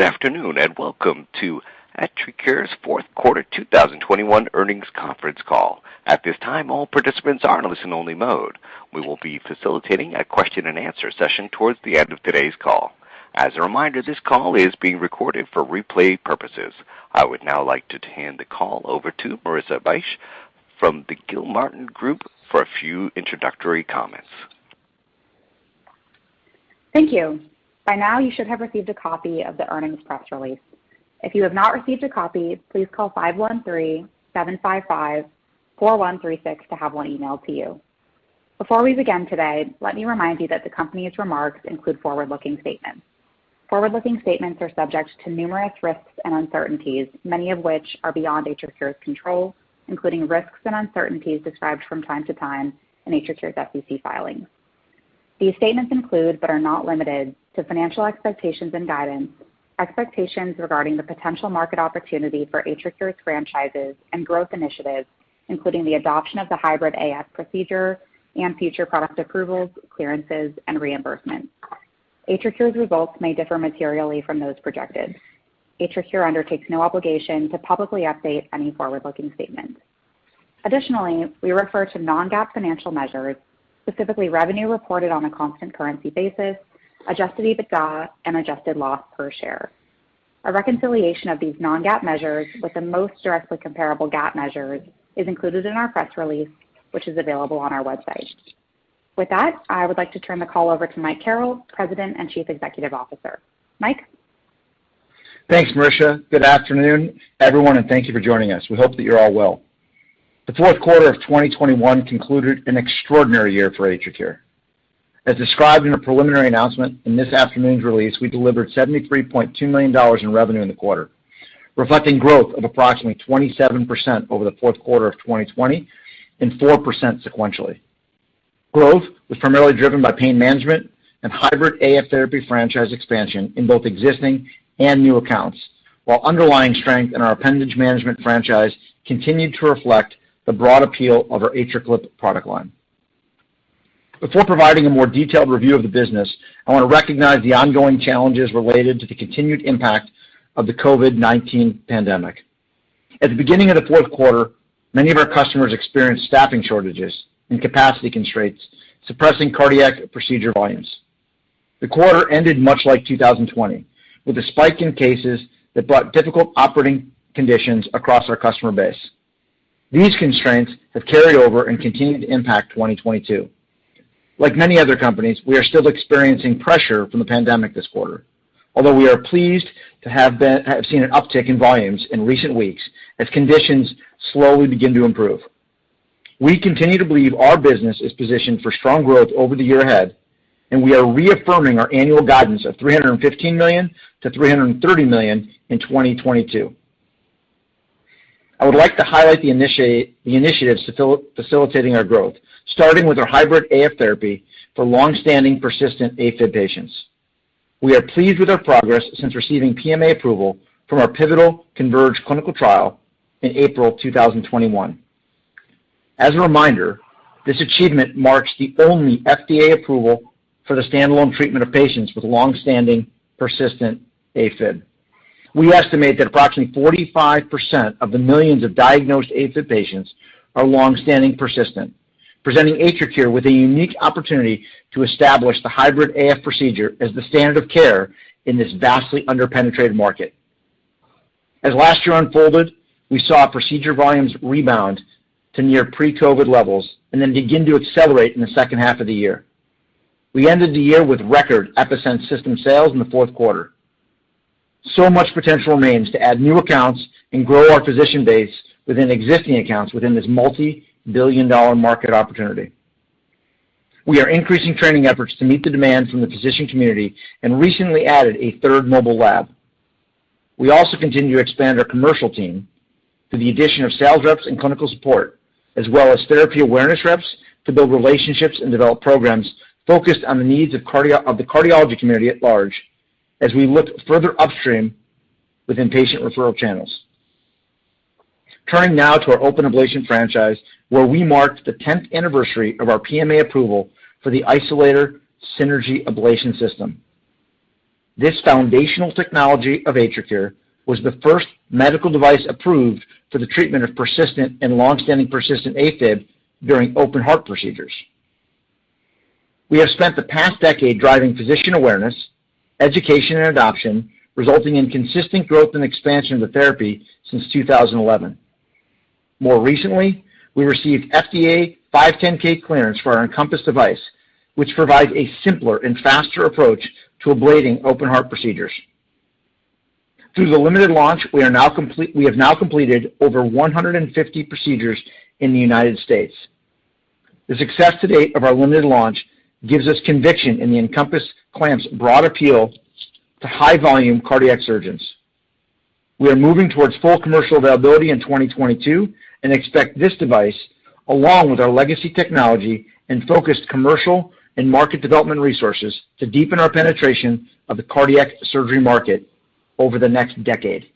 Good afternoon, and welcome to AtriCure's fourth quarter 2021 earnings conference call. At this time, all participants are in a listen-only mode. We will be facilitating a question-and-answer session towards the end of today's call. As a reminder, this call is being recorded for replay purposes. I would now like to hand the call over to Marissa Bych from the Gilmartin Group for a few introductory comments. Thank you. By now, you should have received a copy of the earnings press release. If you have not received a copy, please call 513-755-4136 to have one emailed to you. Before we begin today, let me remind you that the company's remarks include forward-looking statements. Forward-looking statements are subject to numerous risks and uncertainties, many of which are beyond AtriCure's control, including risks and uncertainties described from time to time in AtriCure's SEC filings. These statements include, but are not limited to financial expectations and guidance, expectations regarding the potential market opportunity for AtriCure's franchises and growth initiatives, including the adoption of the hybrid AF procedure and future product approvals, clearances, and reimbursements. AtriCure's results may differ materially from those projected. AtriCure undertakes no obligation to publicly update any forward-looking statement. Additionally, we refer to non-GAAP financial measures, specifically revenue reported on a constant currency basis, adjusted EBITDA, and adjusted loss per share. A reconciliation of these non-GAAP measures with the most directly comparable GAAP measures is included in our press release, which is available on our website. With that, I would like to turn the call over to Michael Carrel, President and Chief Executive Officer. Mic? Thanks, Marissa. Good afternoon, everyone, and thank you for joining us. We hope that you're all well. The fourth quarter of 2021 concluded an extraordinary year for AtriCure. As described in a preliminary announcement in this afternoon's release, we delivered $73.2 million in revenue in the quarter, reflecting growth of approximately 27% over the fourth quarter of 2020 and 4% sequentially. Growth was primarily driven by pain management and hybrid AF therapy franchise expansion in both existing and new accounts, while underlying strength in our appendage management franchise continued to reflect the broad appeal of our AtriClip product line. Before providing a more detailed review of the business, I want to recognize the ongoing challenges related to the continued impact of the COVID-19 pandemic. At the beginning of the fourth quarter, many of our customers experienced staffing shortages and capacity constraints, suppressing cardiac procedure volumes. The quarter ended much like 2020, with a spike in cases that brought difficult operating conditions across our customer base. These constraints have carried over and continued to impact 2022. Like many other companies, we are still experiencing pressure from the pandemic this quarter. Although we are pleased to have seen an uptick in volumes in recent weeks as conditions slowly begin to improve. We continue to believe our business is positioned for strong growth over the year ahead, and we are reaffirming our annual guidance of $315 million-$330 million in 2022. I would like to highlight the initiatives facilitating our growth, starting with our Hybrid AF therapy for long-standing persistent AFib patients. We are pleased with our progress since receiving PMA approval from our pivotal CONVERGE clinical trial in April 2021. As a reminder, this achievement marks the only FDA approval for the standalone treatment of patients with long-standing persistent AFib. We estimate that approximately 45% of the millions of diagnosed AFib patients are long-standing persistent, presenting AtriCure with a unique opportunity to establish the Hybrid AF procedure as the standard of care in this vastly under-penetrated market. As last year unfolded, we saw procedure volumes rebound to near pre-COVID levels and then begin to accelerate in the second half of the year. We ended the year with record EPi-Sense system sales in the fourth quarter. Much potential remains to add new accounts and grow our physician base within existing accounts within this $ multi-billion market opportunity. We are increasing training efforts to meet the demand from the physician community and recently added a third mobile lab. We also continue to expand our commercial team through the addition of sales reps and clinical support, as well as therapy awareness reps to build relationships and develop programs focused on the needs of the cardiology community at large as we look further upstream within patient referral channels. Turning now to our open ablation franchise, where we marked the tenth anniversary of our PMA approval for the Isolator Synergy ablation system. This foundational technology of AtriCure was the first medical device approved for the treatment of persistent and long-standing persistent AFib during open-heart procedures. We have spent the past decade driving physician awareness, education, and adoption, resulting in consistent growth and expansion of the therapy since 2011. More recently, we received FDA 510K clearance for our EnCompass device, which provides a simpler and faster approach to ablating open-heart procedures. Through the limited launch, we have now completed over 150 procedures in the United States. The success to date of our limited launch gives us conviction in the EnCompass Clamp's broad appeal to high-volume cardiac surgeons. We are moving towards full commercial availability in 2022 and expect this device, along with our legacy technology and focused commercial and market development resources, to deepen our penetration of the cardiac surgery market over the next decade.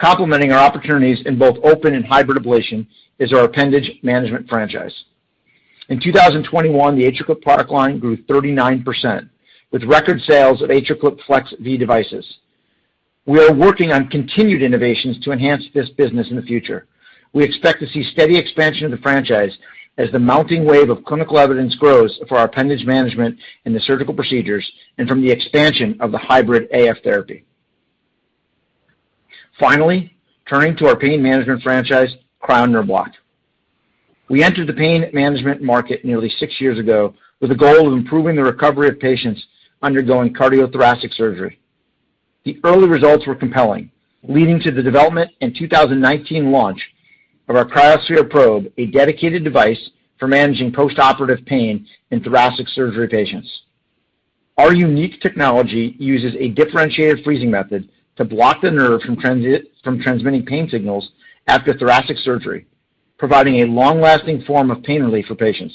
Complementing our opportunities in both open and hybrid ablation is our appendage management franchise. In 2021, the AtriClip product line grew 39% with record sales of AtriClip FLEX V devices. We are working on continued innovations to enhance this business in the future. We expect to see steady expansion of the franchise as the mounting wave of clinical evidence grows for our appendage management in the surgical procedures and from the expansion of the Hybrid AF therapy. Finally, turning to our pain management franchise, Cryo Nerve Block. We entered the pain management market nearly 6 years ago with the goal of improving the recovery of patients undergoing cardiothoracic surgery. The early results were compelling, leading to the development and 2019 launch of our cryoSPHERE probe, a dedicated device for managing postoperative pain in thoracic surgery patients. Our unique technology uses a differentiated freezing method to block the nerve from transmitting pain signals after thoracic surgery, providing a long-lasting form of pain relief for patients.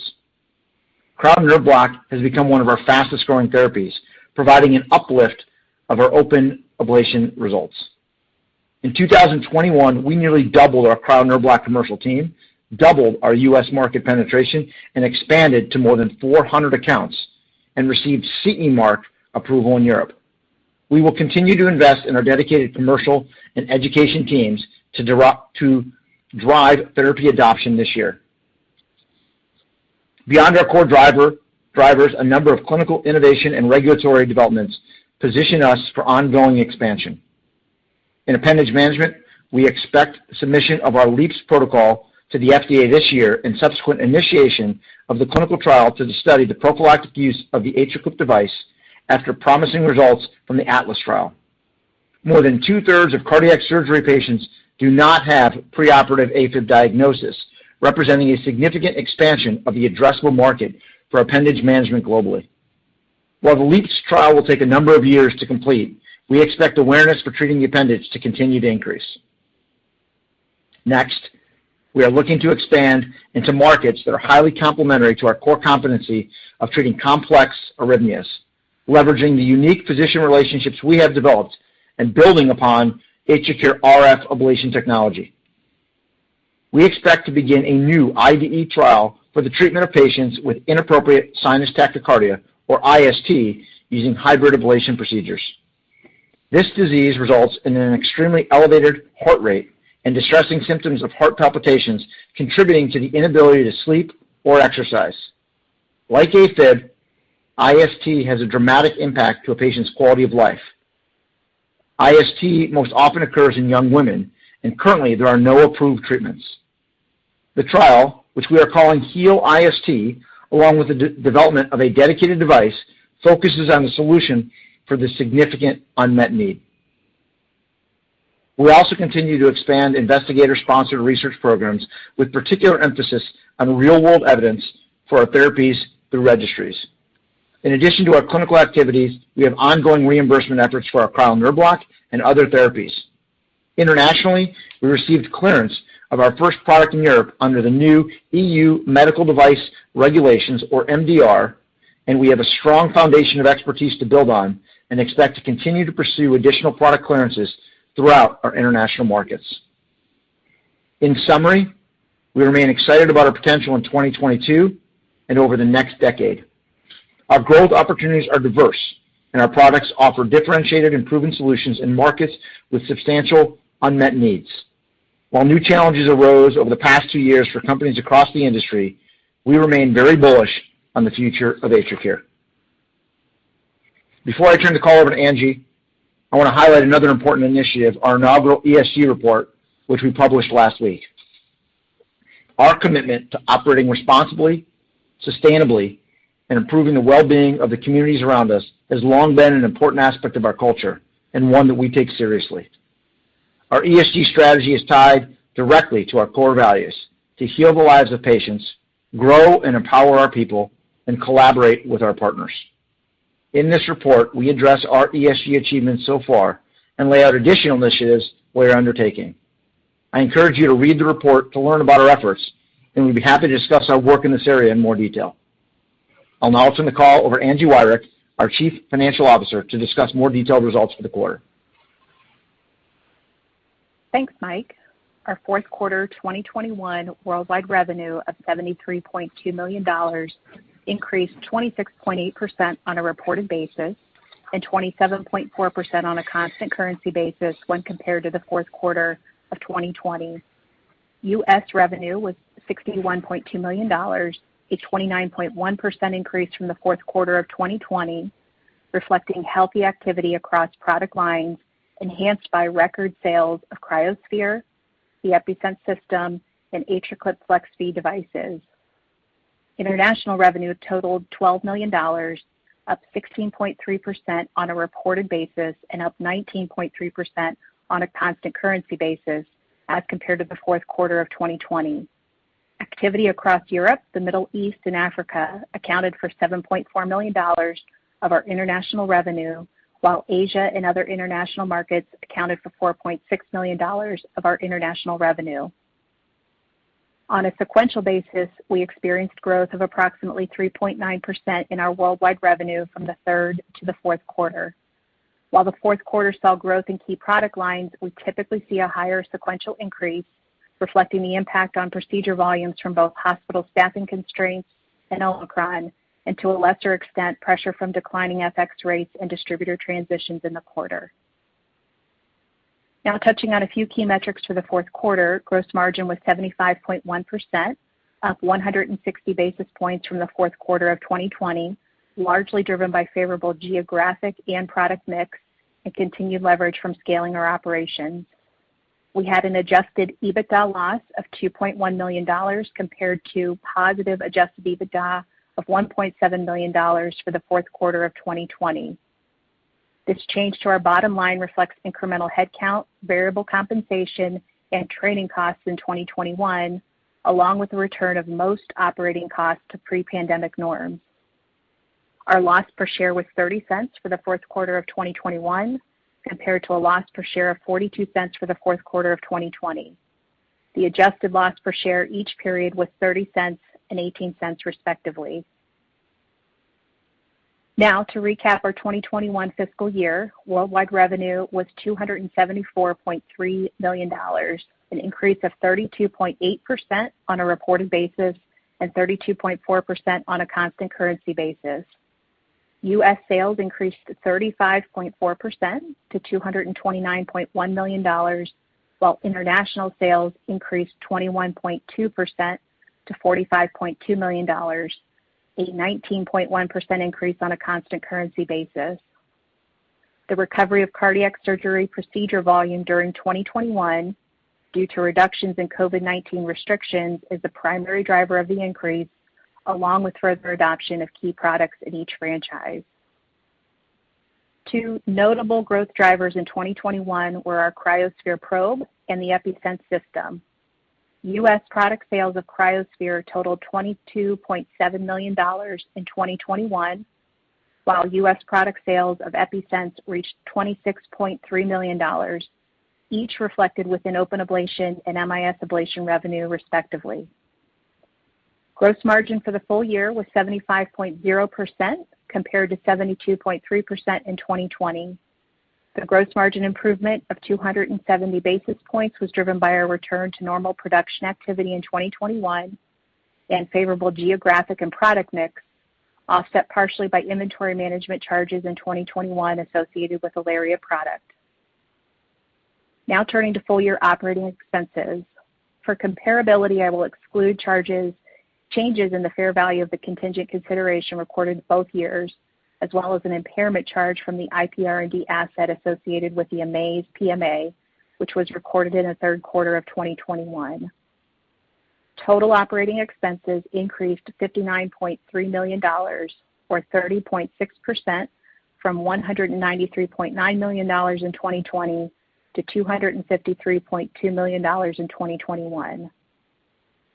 Cryo Nerve Block has become one of our fastest-growing therapies, providing an uplift of our open ablation results. In 2021, we nearly doubled our Cryo Nerve Block commercial team, doubled our U.S. market penetration, and expanded to more than 400 accounts and received CE mark approval in Europe. We will continue to invest in our dedicated commercial and education teams to drive therapy adoption this year. Beyond our core drivers, a number of clinical innovation and regulatory developments position us for ongoing expansion. In appendage management, we expect submission of our LEAPS protocol to the FDA this year and subsequent initiation of the clinical trial to study the prophylactic use of the AtriClip device after promising results from the ATLAS trial. More than two-thirds of cardiac surgery patients do not have preoperative AFib diagnosis, representing a significant expansion of the addressable market for appendage management globally. While the LEAPS trial will take a number of years to complete, we expect awareness for treating the appendage to continue to increase. Next, we are looking to expand into markets that are highly complementary to our core competency of treating complex arrhythmias, leveraging the unique physician relationships we have developed and building upon AtriCure RF ablation technology. We expect to begin a new IDE trial for the treatment of patients with inappropriate sinus tachycardia, or IST, using hybrid ablation procedures. This disease results in an extremely elevated heart rate and distressing symptoms of heart palpitations contributing to the inability to sleep or exercise. Like AFib, IST has a dramatic impact to a patient's quality of life. IST most often occurs in young women, and currently there are no approved treatments. The trial, which we are calling HEAL-IST, along with the development of a dedicated device, focuses on the solution for this significant unmet need. We also continue to expand investigator-sponsored research programs with particular emphasis on real-world evidence for our therapies through registries. In addition to our clinical activities, we have ongoing reimbursement efforts for our Cryo Nerve Block and other therapies. Internationally, we received clearance of our first product in Europe under the new EU Medical Device Regulations, or MDR, and we have a strong foundation of expertise to build on and expect to continue to pursue additional product clearances throughout our international markets. In summary, we remain excited about our potential in 2022 and over the next decade. Our growth opportunities are diverse, and our products offer differentiated and proven solutions in markets with substantial unmet needs. While new challenges arose over the past two years for companies across the industry, we remain very bullish on the future of AtriCure. Before I turn the call over to Angie, I want to highlight another important initiative, our inaugural ESG report, which we published last week. Our commitment to operating responsibly, sustainably, and improving the well-being of the communities around us has long been an important aspect of our culture and one that we take seriously. Our ESG strategy is tied directly to our core values to heal the lives of patients, grow and empower our people, and collaborate with our partners. In this report, we address our ESG achievements so far and lay out additional initiatives we are undertaking. I encourage you to read the report to learn about our efforts, and we'd be happy to discuss our work in this area in more detail. I'll now turn the call over to Angie Wirick, our Chief Financial Officer, to discuss more detailed results for the quarter. Thanks, Mic. Our fourth quarter 2021 worldwide revenue of $73.2 million increased 26.8% on a reported basis and 27.4% on a constant currency basis when compared to the fourth quarter of 2020. US revenue was $61.2 million, a 29.1% increase from the fourth quarter of 2020, reflecting healthy activity across product lines enhanced by record sales of cryoSPHERE, the EPi-Sense system, and AtriClip FLEX·V devices. International revenue totaled $12 million, up 16.3% on a reported basis and up 19.3% on a constant currency basis as compared to the fourth quarter of 2020. Activity across Europe, the Middle East, and Africa accounted for $7.4 million of our international revenue, while Asia and other international markets accounted for $4.6 million of our international revenue. On a sequential basis, we experienced growth of approximately 3.9% in our worldwide revenue from the third to the fourth quarter. While the fourth quarter saw growth in key product lines, we typically see a higher sequential increase, reflecting the impact on procedure volumes from both hospital staffing constraints and Omicron, and to a lesser extent, pressure from declining FX rates and distributor transitions in the quarter. Now touching on a few key metrics for the fourth quarter. Gross margin was 75.1%, up 160 basis points from the fourth quarter of 2020, largely driven by favorable geographic and product mix and continued leverage from scaling our operations. We had an adjusted EBITDA loss of $2.1 million compared to positive adjusted EBITDA of $1.7 million for the fourth quarter of 2020. This change to our bottom line reflects incremental headcount, variable compensation, and training costs in 2021, along with the return of most operating costs to pre-pandemic norms. Our loss per share was $0.30 for the fourth quarter of 2021, compared to a loss per share of $0.42 for the fourth quarter of 2020. The adjusted loss per share each period was $0.30 and $0.18, respectively. Now to recap our 2021 fiscal year. Worldwide revenue was $274.3 million, an increase of 32.8% on a reported basis and 32.4% on a constant currency basis. U.S. sales increased 35.4% to $229.1 million, while international sales increased 21.2% to $45.2 million, a 19.1% increase on a constant currency basis. The recovery of cardiac surgery procedure volume during 2021 due to reductions in COVID-19 restrictions is the primary driver of the increase, along with further adoption of key products in each franchise. Two notable growth drivers in 2021 were our cryoSPHERE probe and the EPi-Sense system. U.S. product sales of cryoSPHERE totaled $22.7 million in 2021, while U.S. product sales of EPi-Sense reached $26.3 million, each reflected within open ablation and MIS ablation revenue, respectively. Gross margin for the full year was 75.0% compared to 72.3% in 2020. The gross margin improvement of 270 basis points was driven by our return to normal production activity in 2021 and favorable geographic and product mix, offset partially by inventory management charges in 2021 associated with Aleria product. Now turning to full-year operating expenses. For comparability, I will exclude changes in the fair value of the contingent consideration recorded both years, as well as an impairment charge from the IPRD asset associated with the aMAZE PMA, which was recorded in the third quarter of 2021. Total operating expenses increased to $59.3 million or 30.6% from $193.9 million in 2020 to $253.2 million in 2021.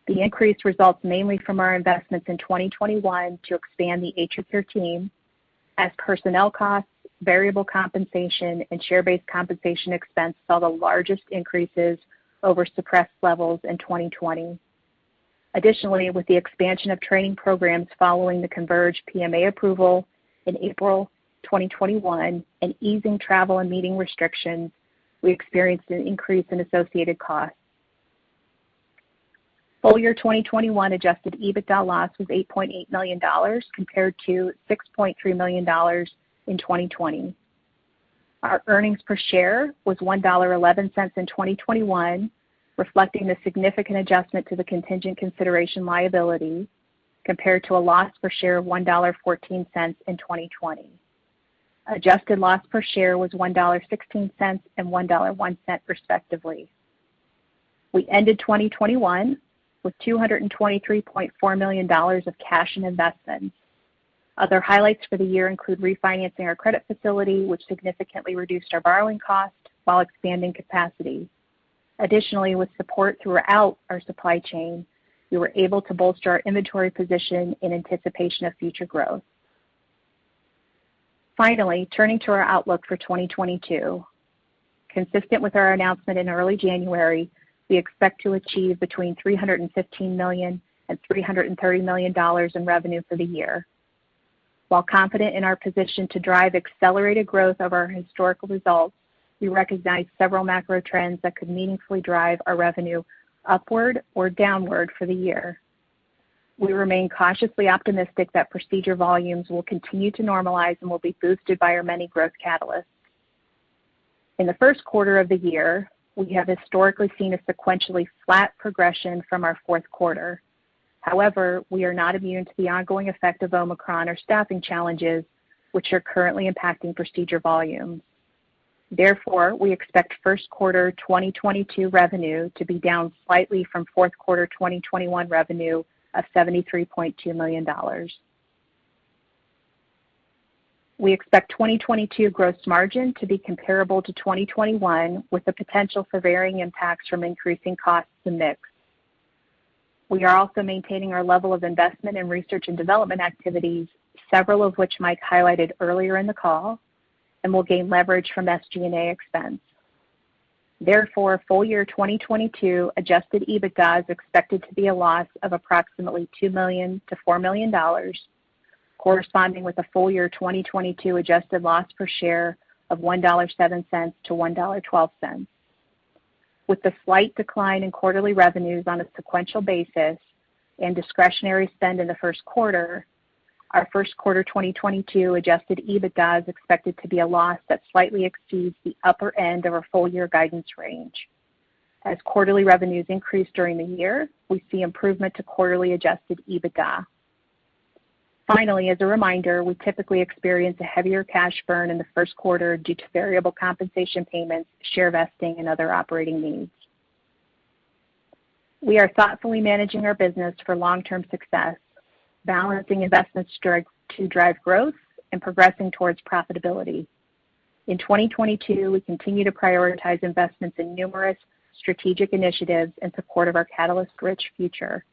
The increase results mainly from our investments in 2021 to expand the AtriCure team as personnel costs, variable compensation, and share-based compensation expense saw the largest increases over suppressed levels in 2020. Additionally, with the expansion of training programs following the CONVERGE PMA approval in April 2021 and easing travel and meeting restrictions, we experienced an increase in associated costs. Full year 2021 adjusted EBITDA loss was $8.8 million compared to $6.3 million in 2020. Our earnings per share was $1.11 in 2021, reflecting the significant adjustment to the contingent consideration liability compared to a loss per share of $1.14 in 2020. Adjusted loss per share was $1.16 and $1.01, respectively. We ended 2021 with $223.4 million of cash and investments. Other highlights for the year include refinancing our credit facility, which significantly reduced our borrowing costs while expanding capacity. Additionally, with support throughout our supply chain, we were able to bolster our inventory position in anticipation of future growth. Finally, turning to our outlook for 2022. Consistent with our announcement in early January, we expect to achieve between $315 million and $330 million in revenue for the year. While confident in our position to drive accelerated growth over our historical results, we recognize several macro trends that could meaningfully drive our revenue upward or downward for the year. We remain cautiously optimistic that procedure volumes will continue to normalize and will be boosted by our many growth catalysts. In the first quarter of the year, we have historically seen a sequentially flat progression from our fourth quarter. However, we are not immune to the ongoing effect of Omicron or staffing challenges which are currently impacting procedure volumes. Therefore, we expect first quarter 2022 revenue to be down slightly from fourth quarter 2021 revenue of $73.2 million. We expect 2022 gross margin to be comparable to 2021, with the potential for varying impacts from increasing costs to mix. We are also maintaining our level of investment in research and development activities, several of which Mic highlighted earlier in the call. We'll gain leverage from SG&A expense. Therefore, full year 2022 adjusted EBITDA is expected to be a loss of approximately $2 million-$4 million, corresponding with a full year 2022 adjusted loss per share of $1.07-$1.12. With the slight decline in quarterly revenues on a sequential basis and discretionary spend in the first quarter, our first quarter 2022 adjusted EBITDA is expected to be a loss that slightly exceeds the upper end of our full year guidance range. As quarterly revenues increase during the year, we see improvement to quarterly adjusted EBITDA. Finally, as a reminder, we typically experience a heavier cash burn in the first quarter due to variable compensation payments, share vesting, and other operating needs. We are thoughtfully managing our business for long-term success, balancing investments to drive growth and progressing towards profitability. In 2022, we continue to prioritize investments in numerous strategic initiatives in support of our catalyst-rich future.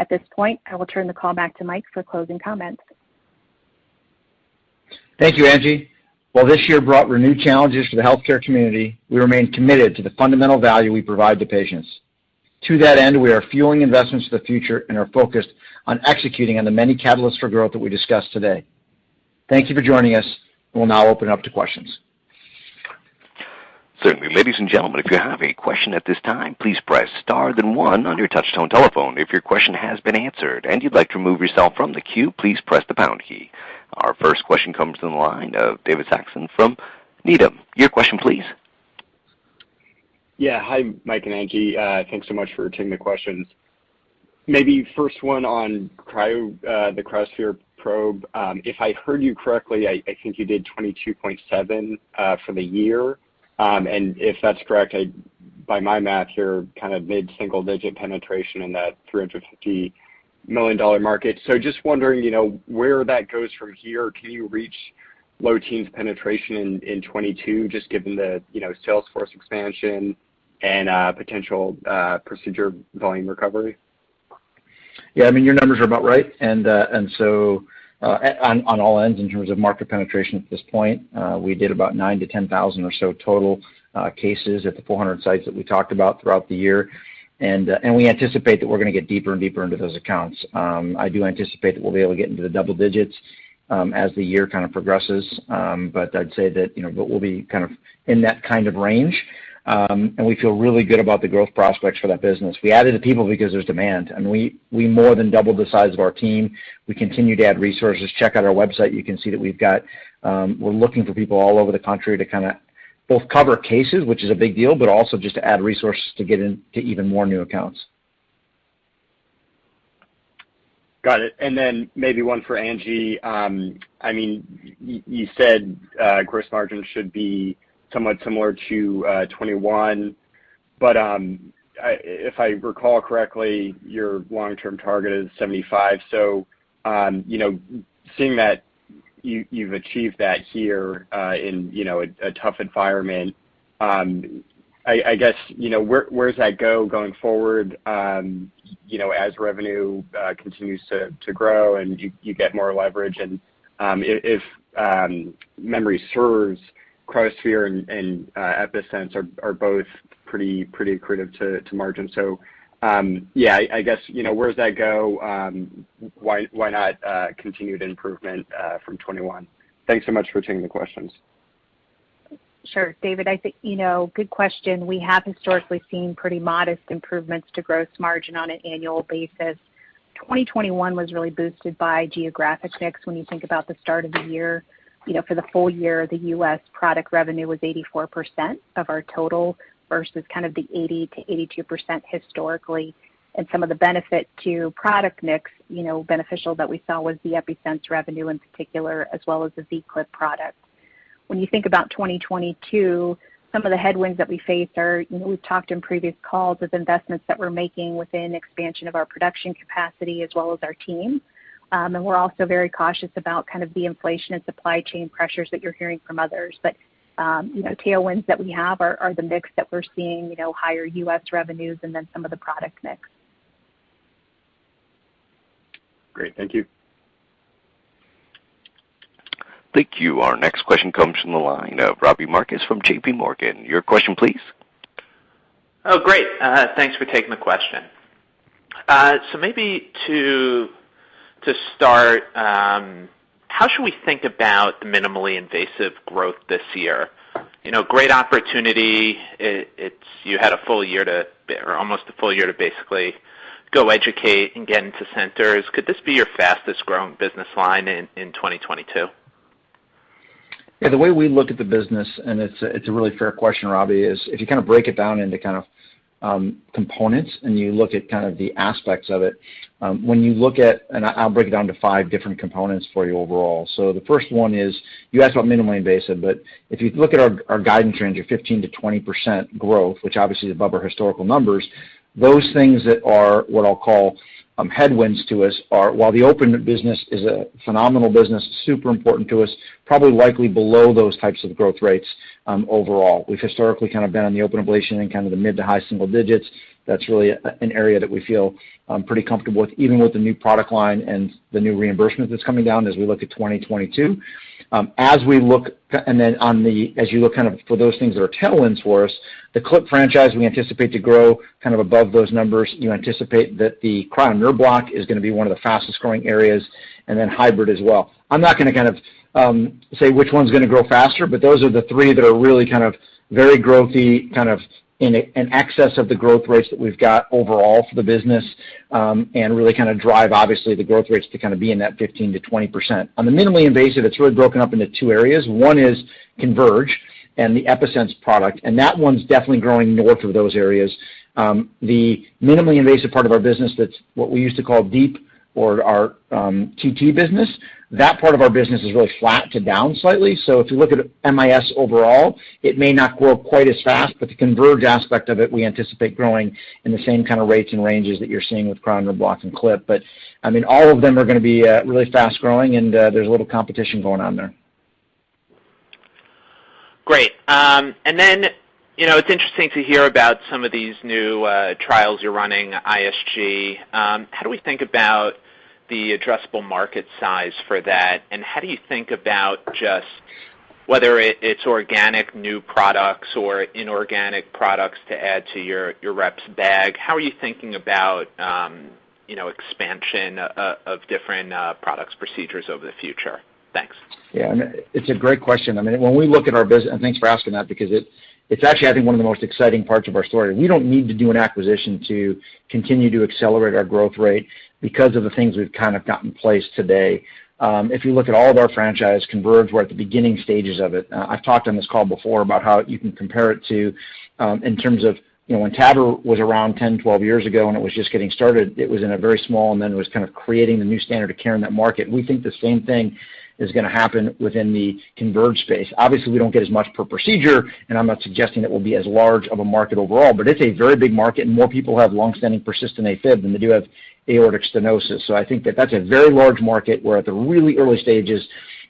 At this point, I will turn the call back to Mic for closing comments. Thank you, Angie. While this year brought renewed challenges to the healthcare community, we remain committed to the fundamental value we provide to patients. To that end, we are fueling investments for the future and are focused on executing on the many catalysts for growth that we discussed today. Thank you for joining us. We'll now open up to questions. Certainly. Ladies and gentlemen, if you have a question at this time, please press star then one on your touch tone telephone. If your question has been answered and you'd like to remove yourself from the queue, please press the pound key. Our first question comes from the line of David Saxon from Needham. Your question please. Yeah. Hi, Mic and Angie. Thanks so much for taking the questions. Maybe first one on the cryoSPHERE probe. If I heard you correctly, I think you did 22.7 for the year. If that's correct, by my math, you're kind of mid-single digit penetration in that $350 million market. Just wondering, you know, where that goes from here. Can you reach low-teens penetration in 2022, just given the sales force expansion and potential procedure volume recovery? Yeah. I mean, your numbers are about right. On all ends in terms of market penetration at this point, we did about 9,000-10,000 or so total cases at the 400 sites that we talked about throughout the year. We anticipate that we're gonna get deeper and deeper into those accounts. I do anticipate that we'll be able to get into the double digits as the year kind of progresses. But I'd say that, you know, we'll be kind of in that kind of range, and we feel really good about the growth prospects for that business. We added the people because there's demand, and we more than doubled the size of our team. We continue to add resources. Check out our website, you can see that we've got, we're looking for people all over the country to kinda both cover cases, which is a big deal, but also just to add resources to get in to even more new accounts. Got it. Maybe one for Angie. I mean, you said gross margin should be somewhat similar to 21%, but if I recall correctly, your long-term target is 75%. You know, seeing that you've achieved that here in a tough environment, I guess you know where does that go going forward, you know, as revenue continues to grow and you get more leverage and if memory serves cryoSPHERE and EPi-Sense are both pretty accretive to margin. Yeah, I guess you know where does that go? Why not continued improvement from 21%? Thanks so much for taking the questions. Sure. David, I think you know. Good question. We have historically seen pretty modest improvements to gross margin on an annual basis. 2021 was really boosted by geographic mix. When you think about the start of the year, you know, for the full year, the U.S. product revenue was 84% of our total versus kind of the 80%-82% historically. Some of the benefit to product mix, you know, beneficial that we saw was the EPi-Sense revenue in particular, as well as the AtriClip products. When you think about 2022, some of the headwinds that we faced are, you know, we've talked in previous calls of investments that we're making within expansion of our production capacity as well as our team. We're also very cautious about kind of the inflation and supply chain pressures that you're hearing from others. You know, tailwinds that we have are the mix that we're seeing, you know, higher U.S. revenues and then some of the product mix. Great. Thank you. Thank you. Our next question comes from the line of Robbie Marcus from J.P. Morgan. Your question please. Oh, great. Thanks for taking the question. Maybe to start, how should we think about the minimally invasive growth this year? You know, great opportunity. You had almost a full year to basically go educate and get into centers. Could this be your fastest growing business line in 2022? Yeah. The way we look at the business, and it's a really fair question, Robbie, is if you kind of break it down into kind of components and you look at kind of the aspects of it. I'll break it down to five different components for you overall. The first one is you asked about minimally invasive, but if you look at our guidance range of 15%-20% growth, which obviously is above our historical numbers. Those things that are what I'll call headwinds to us are, while the open business is a phenomenal business, super important to us, probably likely below those types of growth rates, overall. We've historically kind of been on the open ablation in kind of the mid- to high single digits. That's really an area that we feel pretty comfortable with, even with the new product line and the new reimbursement that's coming down as we look at 2022. And then, as you look kind of for those things that are tailwinds for us, the AtriClip franchise, we anticipate to grow kind of above those numbers. You anticipate that the Cryo Nerve Block is gonna be one of the fastest-growing areas, and then hybrid as well. I'm not gonna kind of say which one's gonna grow faster, but those are the three that are really kind of very growthy, kind of in excess of the growth rates that we've got overall for the business, and really kind of drive, obviously, the growth rates to kind of be in that 15%-20%. On the minimally invasive, it's really broken up into two areas. One is CONVERGE and the EPi-Sense product, and that one's definitely growing north of those areas. The minimally invasive part of our business that's what we used to call deep or our TT business, that part of our business is really flat to down slightly. If you look at MIS overall, it may not grow quite as fast, but the CONVERGE aspect of it, we anticipate growing in the same kind of rates and ranges that you're seeing with Cryo Nerve Block and AtriClip. I mean, all of them are gonna be really fast-growing, and there's a little competition going on there. Great. You know, it's interesting to hear about some of these new trials you're running, IST. How do we think about the addressable market size for that? How do you think about just whether it's organic new products or inorganic products to add to your rep's bag? How are you thinking about, you know, expansion of different products, procedures over the future? Thanks. Yeah. It's a great question. I mean, when we look at our. Thanks for asking that because it's actually, I think, one of the most exciting parts of our story. We don't need to do an acquisition to continue to accelerate our growth rate because of the things we've kind of got in place today. If you look at all of our franchise, CONVERGE, we're at the beginning stages of it. I've talked on this call before about how you can compare it to, in terms of, you know, when TAVR was around 10, 12 years ago, and it was just getting started, it was in a very small, and then it was kind of creating the new standard of care in that market. We think the same thing is gonna happen within the CONVERGE space. Obviously, we don't get as much per procedure, and I'm not suggesting it will be as large of a market overall, but it's a very big market, and more people have long-standing persistent AFib than they do have aortic stenosis. I think that that's a very large market. We're at the really early stages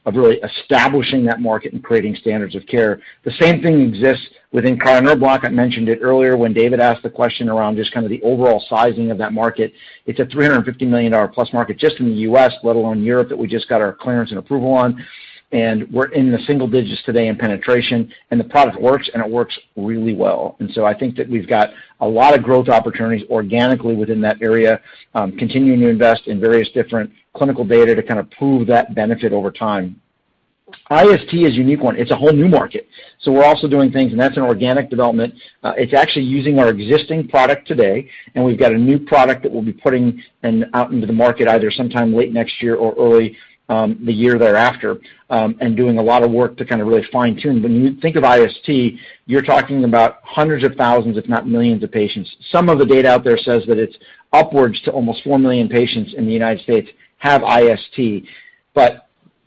of really establishing that market and creating standards of care. The same thing exists within Cryo Nerve Block. I mentioned it earlier when David asked the question around just kind of the overall sizing of that market. It's a $350 million-plus market just in the U.S., let alone Europe, that we just got our clearance and approval on, and we're in the single digits today in penetration, and the product works, and it works really well. I think that we've got a lot of growth opportunities organically within that area, continuing to invest in various different clinical data to kind of prove that benefit over time. IST is a unique one. It's a whole new market, we're also doing things, and that's an organic development. It's actually using our existing product today, and we've got a new product that we'll be putting out into the market either sometime late next year or early, the year thereafter, and doing a lot of work to kind of really fine-tune. When you think of IST, you're talking about hundreds of thousands, if not millions, of patients. Some of the data out there says that it's upwards to almost four million patients in the United States have IST. But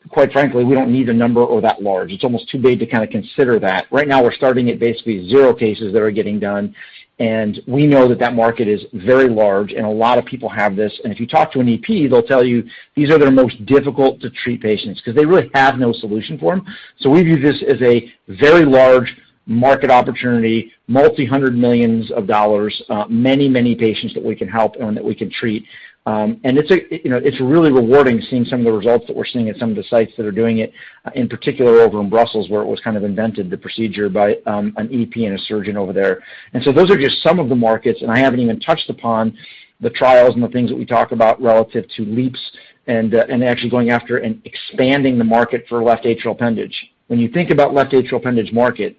quite frankly, we don't need a number that large. It's almost too big to kind of consider that. Right now, we're starting at basically zero cases that are getting done, and we know that market is very large and a lot of people have this. If you talk to an EP, they'll tell you these are their most difficult to treat patients 'cause they really have no solution for them. We view this as a very large market opportunity, multi-hundred millions of dollars, many patients that we can help and that we can treat. You know, it's really rewarding seeing some of the results that we're seeing at some of the sites that are doing it, in particular over in Brussels, where it was kind of invented, the procedure, by an EP and a surgeon over there. Those are just some of the markets, and I haven't even touched upon the trials and the things that we talk about relative to LEAPS and actually going after and expanding the market for left atrial appendage. When you think about left atrial appendage market,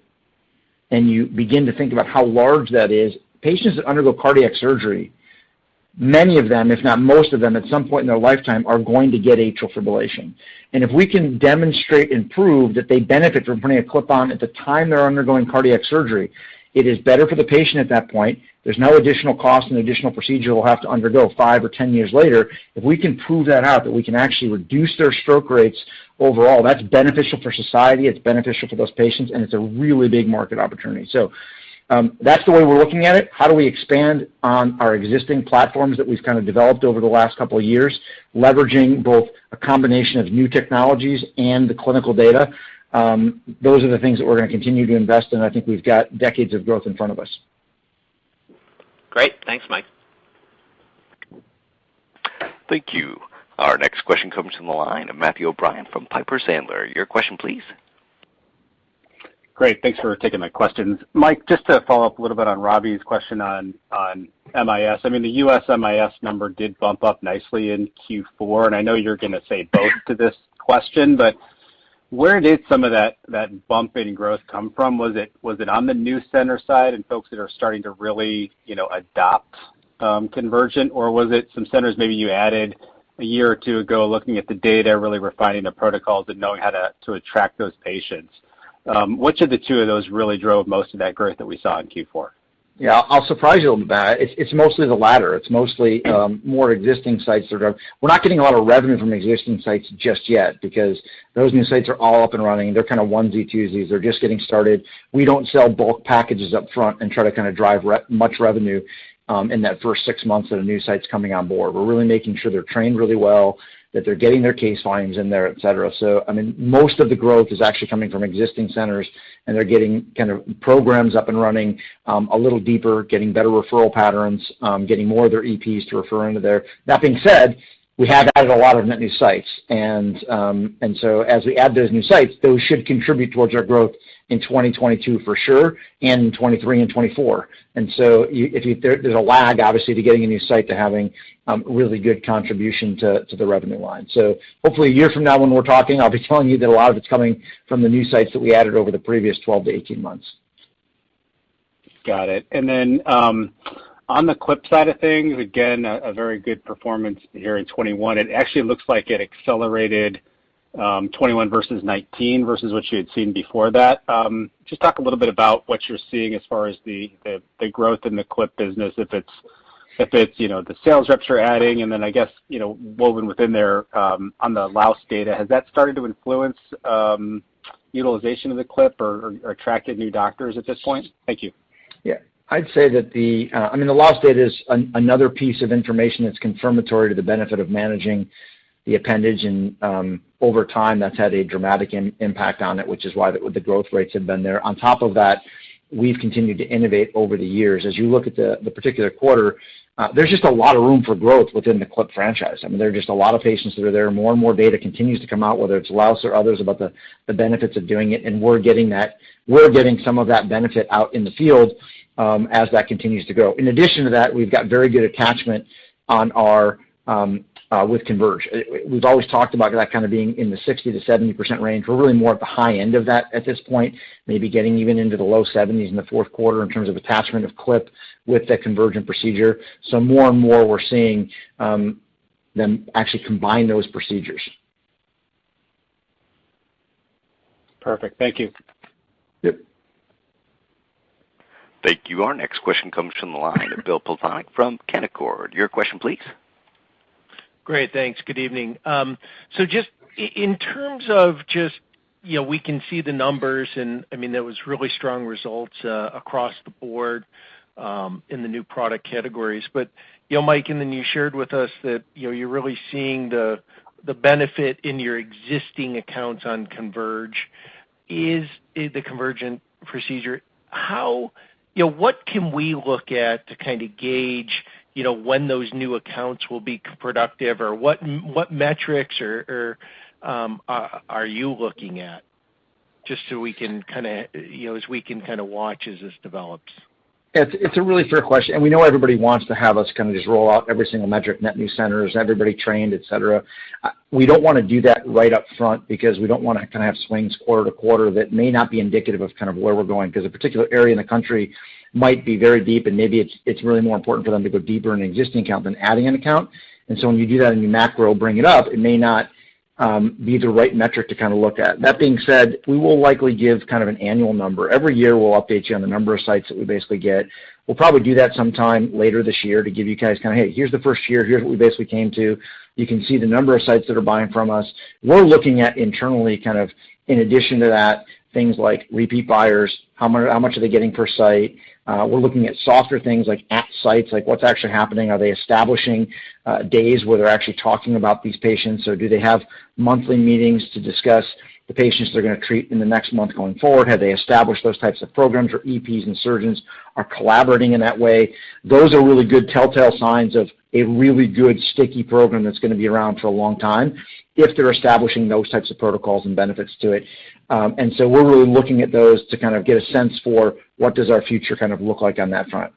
and you begin to think about how large that is, patients that undergo cardiac surgery, many of them, if not most of them, at some point in their lifetime are going to get atrial fibrillation. If we can demonstrate and prove that they benefit from putting a clip on at the time they're undergoing cardiac surgery, it is better for the patient at that point. There's no additional cost and additional procedure we'll have to undergo five or 10 years later. If we can prove that out, that we can actually reduce their stroke rates overall, that's beneficial for society, it's beneficial for those patients, and it's a really big market opportunity. That's the way we're looking at it. How do we expand on our existing platforms that we've kind of developed over the last couple of years, leveraging both a combination of new technologies and the clinical data? Those are the things that we're gonna continue to invest in. I think we've got decades of growth in front of us. Great. Thanks, Mic. Thank you. Our next question comes from the line of Matthew O'Brien from Piper Sandler. Your question, please. Great. Thanks for taking my questions. Mic, just to follow up a little bit on Robbie's question on MIS. I mean, the U.S. MIS number did bump up nicely in Q4, and I know you're gonna say both to this question, but where did some of that bump in growth come from? Was it on the new center side and folks that are starting to really, you know, adopt convergent, or was it some centers maybe you added a year or two ago, looking at the data, really refining the protocols, and knowing how to attract those patients? Which of the two of those really drove most of that growth that we saw in Q4? Yeah. I'll surprise you with that. It's mostly the latter. It's mostly more existing sites that are... We're not getting a lot of revenue from existing sites just yet because those new sites are all up and running. They're kind of onesie-twosies. They're just getting started. We don't sell bulk packages up front and try to kind of drive much revenue in that first six months that a new site's coming on board. We're really making sure they're trained really well, that they're getting their case findings in there, et cetera. I mean, most of the growth is actually coming from existing centers, and they're getting kind of programs up and running a little deeper, getting better referral patterns, getting more of their EPs to refer into there. That being said, we have added a lot of net new sites. As we add those new sites, those should contribute towards our growth in 2022 for sure, and in 2023 and 2024. If there's a lag, obviously, to getting a new site to having really good contribution to the revenue line. Hopefully a year from now when we're talking, I'll be telling you that a lot of it's coming from the new sites that we added over the previous 12-18 months. Got it. On the clip side of things, again, a very good performance here in 2021. It actually looks like it accelerated, 2021 versus 2019 versus what you had seen before that. Just talk a little bit about what you're seeing as far as the growth in the clip business, if it's, you know, the sales reps you're adding. I guess, you know, woven within there, on the LAAOS data, has that started to influence utilization of the clip or attracted new doctors at this point? Thank you. Yeah. I'd say that the, I mean, the LAAOS data is another piece of information that's confirmatory to the benefit of managing the appendage. Over time, that's had a dramatic impact on it, which is why the growth rates have been there. On top of that, we've continued to innovate over the years. As you look at the particular quarter, there's just a lot of room for growth within the clip franchise. I mean, there are just a lot of patients that are there. More and more data continues to come out, whether it's LAAOS or others, about the benefits of doing it, and we're getting that. We're getting some of that benefit out in the field, as that continues to grow. In addition to that, we've got very good attachment on our with CONVERGE. We've always talked about that kind of being in the 60%-70% range. We're really more at the high end of that at this point, maybe getting even into the low 70s% in the fourth quarter in terms of attachment of clip with the convergent procedure. More and more we're seeing them actually combine those procedures. Perfect. Thank you. Yep. Thank you. Our next question comes from the line of Bill Plovanic from Canaccord. Your question please. Great. Thanks. Good evening. So just in terms of just, you know, we can see the numbers, and I mean, there was really strong results across the board in the new product categories. You know, Mic, and then you shared with us that, you know, you're really seeing the benefit in your existing accounts on Converge. Is the Converge procedure. You know, what can we look at to kind of gauge, you know, when those new accounts will be productive, or what metrics or are you looking at, just so we can kinda, you know, as we can kinda watch as this develops? It's a really fair question, and we know everybody wants to have us kind of just roll out every single metric, net new centers, everybody trained, et cetera. We don't wanna do that right up front because we don't wanna kind of have swings quarter to quarter that may not be indicative of kind of where we're going because a particular area in the country might be very deep and maybe it's really more important for them to go deeper in an existing account than adding an account. When you do that and you macro bring it up, it may not be the right metric to kind of look at. That being said, we will likely give kind of an annual number. Every year we'll update you on the number of sites that we basically get. We'll probably do that sometime later this year to give you guys kind of, hey, here's the first year, here's what we basically came to. You can see the number of sites that are buying from us. We're looking at internally kind of in addition to that, things like repeat buyers, how much are they getting per site. We're looking at softer things like at sites, like what's actually happening. Are they establishing days where they're actually talking about these patients, or do they have monthly meetings to discuss the patients they're gonna treat in the next month going forward? Have they established those types of programs where EPs and surgeons are collaborating in that way? Those are really good telltale signs of a really good sticky program that's gonna be around for a long time if they're establishing those types of protocols and benefits to it. We're really looking at those to kind of get a sense for what does our future kind of look like on that front.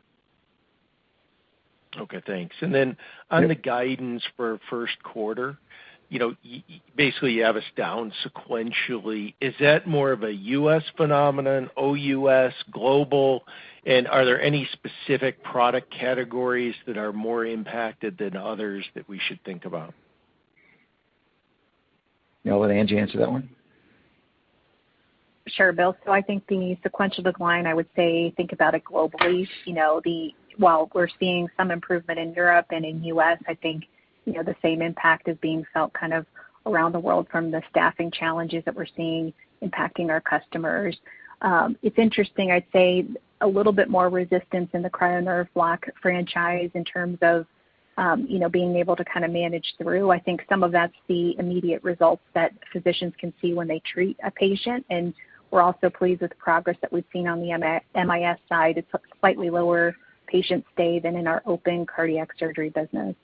Okay, thanks. Yeah. On the guidance for first quarter, you know, you basically have us down sequentially. Is that more of a U.S. phenomenon, OUS, global? Are there any specific product categories that are more impacted than others that we should think about? You want to let Angie answer that one? Sure, Bill. I think the sequential decline, I would say, think about it globally. You know, while we're seeing some improvement in Europe and in U.S., I think, you know, the same impact is being felt kind of around the world from the staffing challenges that we're seeing impacting our customers. It's interesting. I'd say a little bit more resistance in the Cryo Nerve Block franchise in terms of, you know, being able to kind of manage through. I think some of that's the immediate results that physicians can see when they treat a patient, and we're also pleased with the progress that we've seen on the MIS side. It's slightly lower patient stay than in our open cardiac surgery business.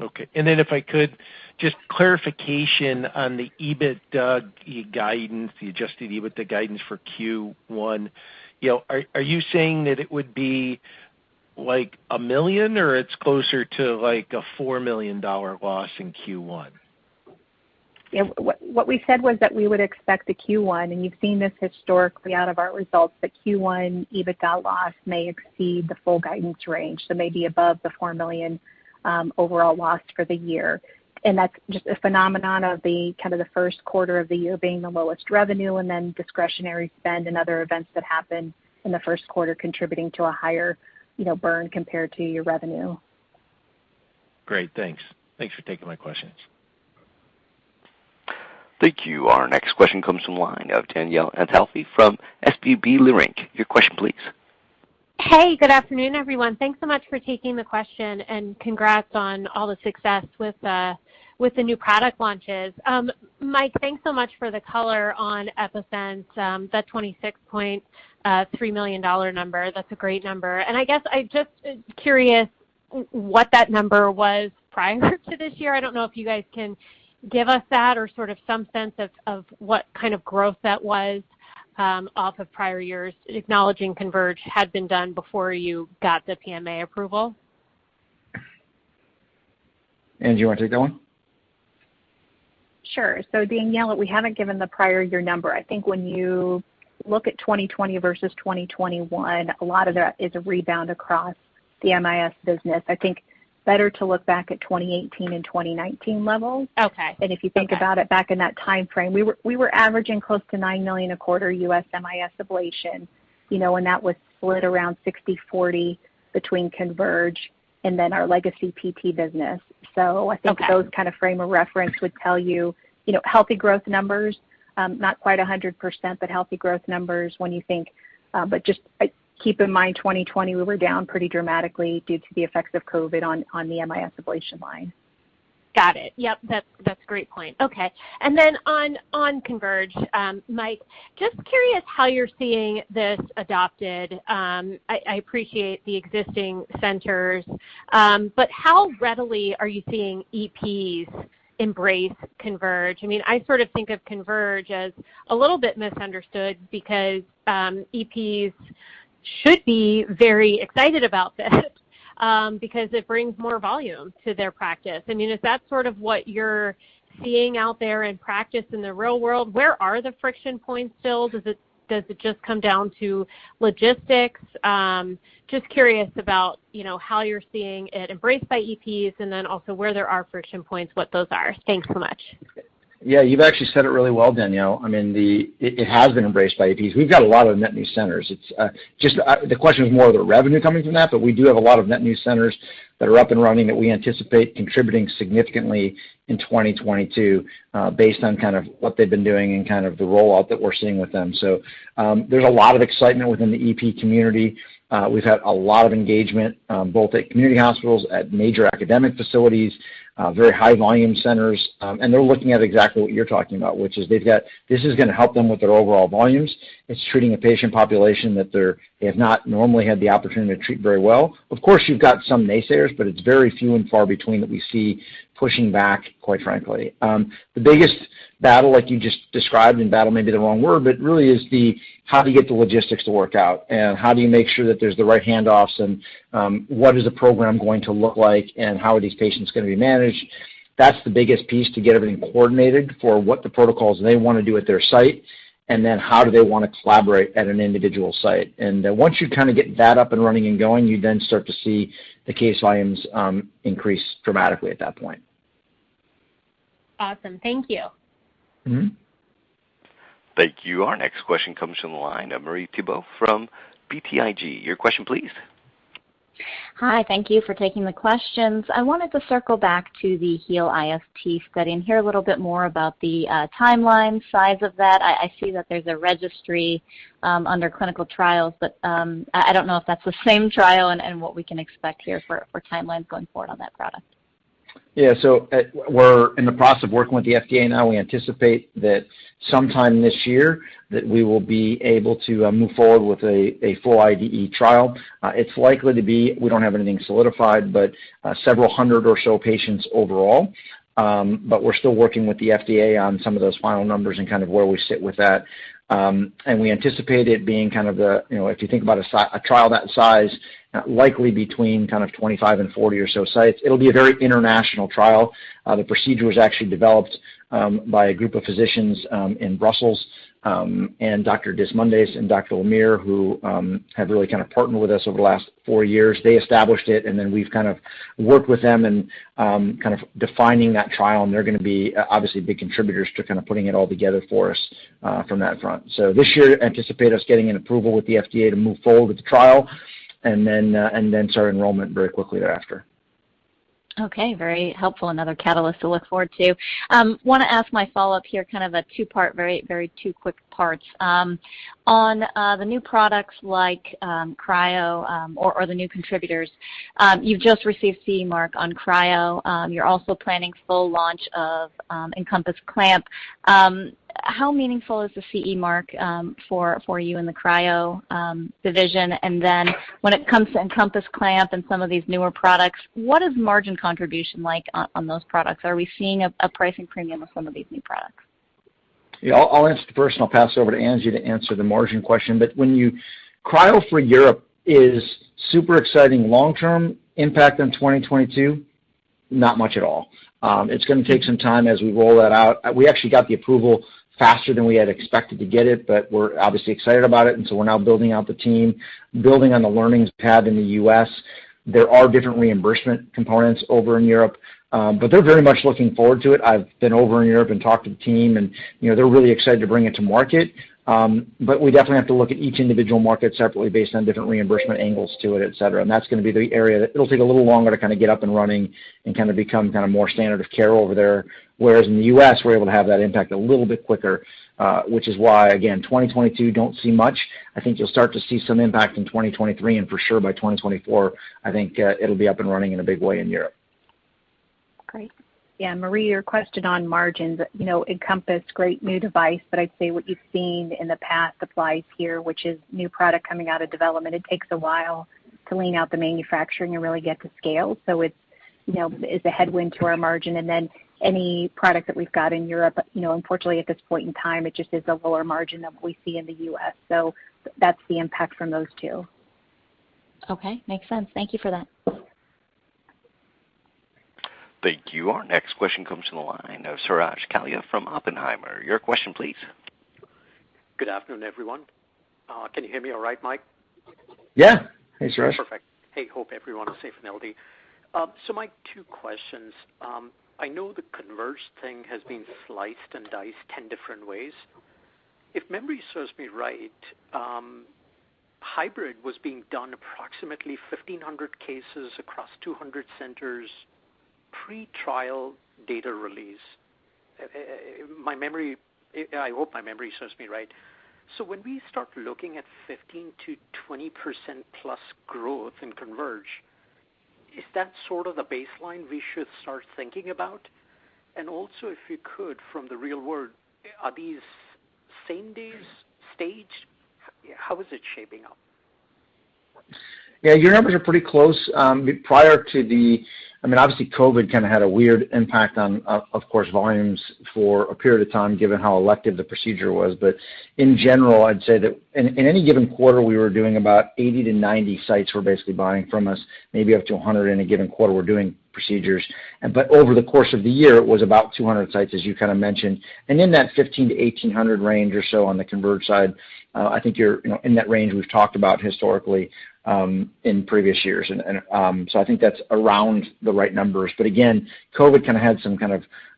Okay. If I could, just clarification on the EBITDA guidance, the adjusted EBITDA guidance for Q1. You know, are you saying that it would be like $1 million or it's closer to like a $4 million loss in Q1? Yeah. What we said was that we would expect the Q1, and you've seen this historically out of our results, that Q1 EBITDA loss may exceed the full guidance range. may be above the $4 million overall loss for the year. That's just a phenomenon of the kind of the first quarter of the year being the lowest revenue and then discretionary spend and other events that happen in the first quarter contributing to a higher, you know, burn compared to your revenue. Great. Thanks. Thanks for taking my questions. Thank you. Our next question comes from the line of Danielle Antalffy from SVB Leerink. Your question please. Hey, good afternoon, everyone. Thanks so much for taking the question and congrats on all the success with the new product launches. Mic, thanks so much for the color on EPi-Sense, that $26.3 million number. That's a great number. I guess I'm just curious what that number was prior to this year. I don't know if you guys can give us that or sort of some sense of what kind of growth that was off of prior years, acknowledging CONVERGE had been done before you got the PMA approval. Angela, you want to take that one? Sure. Danielle, we haven't given the prior year number. I think when you look at 2020 versus 2021, a lot of that is a rebound across the MIS business. I think better to look back at 2018 and 2019 levels. Okay. Okay. If you think about it, back in that time frame, we were averaging close to $9 million a quarter U.S. MIS ablation, you know, and that was split around 60/40 between CONVERGE and then our legacy PT business. I think- Okay Those kind of frame of reference would tell you know, healthy growth numbers, not quite 100%, but healthy growth numbers when you think, but just keep in mind, 2020, we were down pretty dramatically due to the effects of COVID on the MIS ablation line. Got it. Yep, that's a great point. Okay. On CONVERGE, Mic, just curious how you're seeing this adopted. I appreciate the existing centers, but how readily are you seeing EPs embrace CONVERGE? I mean, I sort of think of CONVERGE as a little bit misunderstood because EPs should be very excited about this, because it brings more volume to their practice. I mean, is that sort of what you're seeing out there in practice in the real world? Where are the friction points still? Does it just come down to logistics? Just curious about, you know, how you're seeing it embraced by EPs and then also where there are friction points, what those are. Thanks so much. Yeah. You've actually said it really well, Danielle. I mean, it has been embraced by EPs. We've got a lot of net new centers. It's just the question is more the revenue coming from that, but we do have a lot of net new centers that are up and running that we anticipate contributing significantly in 2022, based on kind of what they've been doing and kind of the rollout that we're seeing with them. There's a lot of excitement within the EP community. We've had a lot of engagement, both at community hospitals, at major academic facilities, very high volume centers, and they're looking at exactly what you're talking about, which is they've got this is going to help them with their overall volumes. It's treating a patient population that they have not normally had the opportunity to treat very well. Of course, you've got some naysayers, but it's very few and far between that we see pushing back, quite frankly. The biggest battle, like you just described, and battle may be the wrong word, but really is the how do you get the logistics to work out, and how do you make sure that there's the right handoffs and, what is the program going to look like, and how are these patients going to be managed? That's the biggest piece to get everything coordinated for what the protocols they want to do at their site, and then how do they want to collaborate at an individual site. Once you kind of get that up and running and going, you then start to see the case volumes increase dramatically at that point. Awesome. Thank you. Mm-hmm. Thank you. Our next question comes from the line of Marie Thibault from BTIG. Your question, please. Hi. Thank you for taking the questions. I wanted to circle back to the HEAL-IST study and hear a little bit more about the timeline size of that. I see that there's a registry under clinical trials, but I don't know if that's the same trial and what we can expect here for timelines going forward on that product. Yeah. We're in the process of working with the FDA now. We anticipate that sometime this year that we will be able to move forward with a full IDE trial. It's likely to be. We don't have anything solidified, several hundred or so patients overall. We're still working with the FDA on some of those final numbers and kind of where we sit with that. We anticipate it being kind of the, you know, if you think about a trial that size, likely between kind of 25 and 40 or so sites. It'll be a very international trial. The procedure was actually developed by a group of physicians in Brussels, and Dr. de Asmundis and Dr. La Meir, who have really kind of partnered with us over the last four years. They established it, and then we've kind of worked with them in kind of defining that trial, and they're going to be obviously big contributors to kind of putting it all together for us from that front. This year, anticipate us getting an approval with the FDA to move forward with the trial and then start enrollment very quickly thereafter. Okay. Very helpful. Another catalyst to look forward to. Want to ask my follow-up here, kind of a two-part, very quick two parts. On the new products like Cryo or the new contributors, you've just received CE mark on Cryo. You're also planning full launch of EnCompass Clamp. How meaningful is the CE mark for you in the Cryo division? And then when it comes to EnCompass Clamp and some of these newer products, what is margin contribution like on those products? Are we seeing a pricing premium on some of these new products? Yeah. I'll answer the first, and I'll pass it over to Angi to answer the margin question. Cryo for Europe is super exciting long-term impact on 2022, not much at all. It's going to take some time as we roll that out. We actually got the approval faster than we had expected to get it, but we're obviously excited about it, and so we're now building out the team, building on the learnings we've had in the U.S. There are different reimbursement components over in Europe, but they're very much looking forward to it. I've been over in Europe and talked to the team and, you know, they're really excited to bring it to market. We definitely have to look at each individual market separately based on different reimbursement angles to it, et cetera. That's going to be the area that it'll take a little longer to kind of get up and running and kind of become kind of more standard of care over there. Whereas in the U.S., we're able to have that impact a little bit quicker, which is why, again, 2022 don't see much. I think you'll start to see some impact in 2023, and for sure by 2024, I think, it'll be up and running in a big way in Europe. Great. Yeah, Marie, your question on margins, you know, encompassed great new device, but I'd say what you've seen in the past applies here, which is new product coming out of development. It takes a while to lean out the manufacturing and really get to scale. It's, you know, a headwind to our margin. Then any product that we've got in Europe, you know, unfortunately at this point in time, it just is a lower margin than what we see in the U.S. That's the impact from those two. Okay, makes sense. Thank you for that. Thank you. Our next question comes from the line of Suraj Kalia from Oppenheimer. Your question please. Good afternoon, everyone. Can you hear me all right, Mic? Yeah. Hey, Suraj. Perfect. Hey, hope everyone is safe and healthy. My two questions, I know the CONVERGE thing has been sliced and diced 10 different ways. If memory serves me right, hybrid was being done approximately 1,500 cases across 200 centers pre-trial data release. My memory. I hope my memory serves me right. When we start looking at 15%-20% plus growth in CONVERGE, is that sort of the baseline we should start thinking about? And also, if you could, from the real world, are these same-day staged? How is it shaping up? Yeah, your numbers are pretty close, prior to, I mean, obviously COVID kind of had a weird impact on, of course, volumes for a period of time, given how elective the procedure was. In general, I'd say that in any given quarter, we were doing about 80-90 sites were basically buying from us, maybe up to 100 in a given quarter were doing procedures. Over the course of the year, it was about 200 sites, as you kind of mentioned. In that 1,500-1,800 range or so on the CONVERGE side, I think you're, you know, in that range we've talked about historically, in previous years. I think that's around the right numbers. Again, COVID kind of had some kind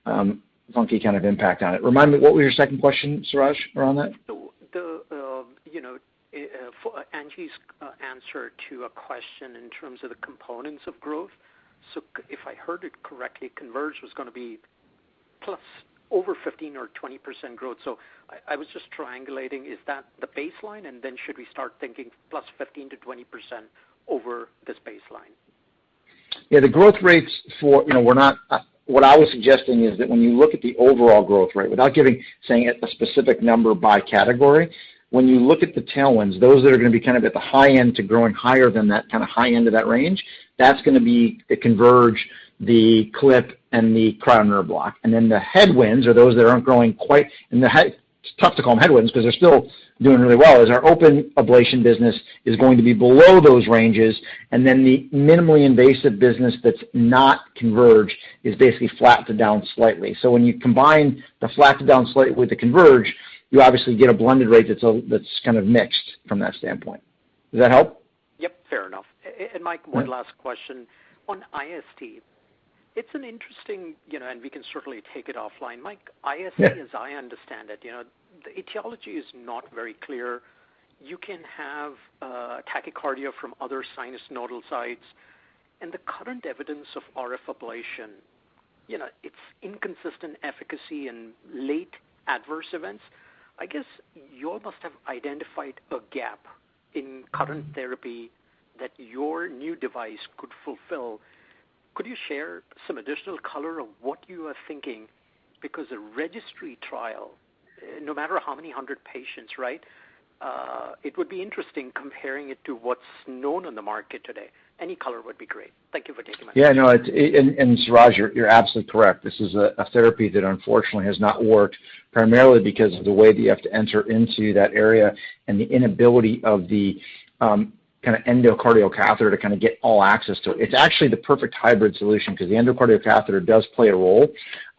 of, funky kind of impact on it. Remind me, what was your second question, Suraj, around that? You know, for Angie's answer to a question in terms of the components of growth. If I heard it correctly, CONVERGE was going to be plus over 15 or 20% growth. I was just triangulating, is that the baseline? Then should we start thinking plus 15%-20% over this baseline? Yeah, the growth rates for, you know, what I was suggesting is that when you look at the overall growth rate, without giving, saying a specific number by category, when you look at the tailwinds, those that are going to be kind of at the high end to growing higher than that kind of high end of that range, that's going to be the CONVERGE, the AtriClip and the Cryo Nerve Block. Then the headwinds are those that aren't growing quite, it's tough to call them headwinds because they're still doing really well, is our open ablation business going to be below those ranges. Then the minimally invasive business that's not CONVERGE is basically flat to down slightly. When you combine the flat to down slightly with the CONVERGE, you obviously get a blended rate that's kind of mixed from that standpoint. Does that help? Yep, fair enough. Mic, one last question. On IST, it's an interesting, you know, and we can certainly take it offline. Mic. Yeah. IST, as I understand it, you know, the etiology is not very clear. You can have tachycardia from other sinus nodal sites. The current evidence of RF ablation, you know, it's inconsistent efficacy and late adverse events. I guess you all must have identified a gap in current therapy that your new device could fulfill. Could you share some additional color of what you are thinking? Because a registry trial, no matter how many hundred patients, right, it would be interesting comparing it to what's known on the market today. Any color would be great. Thank you for taking my question. Yeah, no. Suraj, you're absolutely correct. This is a therapy that unfortunately has not worked, primarily because of the way that you have to enter into that area and the inability of the kind of endocardial catheter to kind of get all access to it. It's actually the perfect hybrid solution because the endocardial catheter does play a role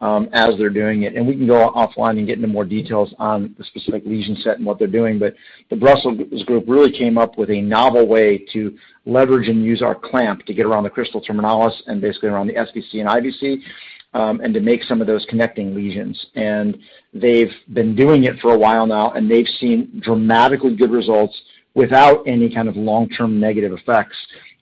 as they're doing it. We can go offline and get into more details on the specific lesion set and what they're doing. The Brussels group really came up with a novel way to leverage and use our clamp to get around the crista terminalis and basically around the SVC and IVC and to make some of those connecting lesions. They've been doing it for a while now, and they've seen dramatically good results without any kind of long-term negative effects,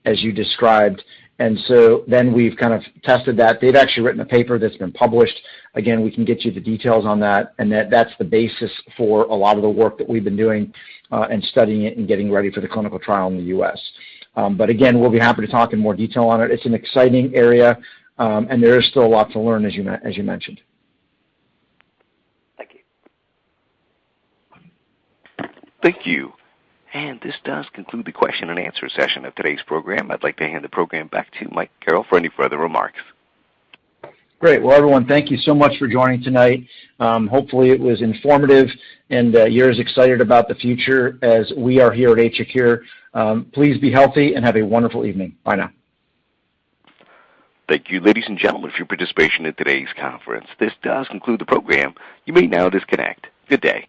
as you described. We've kind of tested that. They've actually written a paper that's been published. Again, we can get you the details on that. That's the basis for a lot of the work that we've been doing, and studying it and getting ready for the clinical trial in the U.S. Again, we'll be happy to talk in more detail on it. It's an exciting area, and there is still a lot to learn, as you mentioned. Thank you. Thank you. This does conclude the question and answer session of today's program. I'd like to hand the program back to Michael Carrel for any further remarks. Great. Well, everyone, thank you so much for joining tonight. Hopefully it was informative and, you're as excited about the future as we are here at AtriCure. Please be healthy and have a wonderful evening. Bye now. Thank you, ladies and gentlemen, for your participation in today's conference. This does conclude the program. You may now disconnect. Good day.